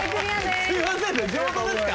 すいませんね